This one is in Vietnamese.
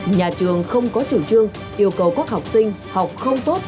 nhà trường không có chủ trương yêu cầu các học sinh học không tốt